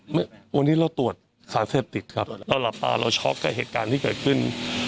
เมื่อวันนี้เราตรวจสารเสพติดครับเราหลับตาเราช็อกกับเหตุการณ์ที่เกิดขึ้น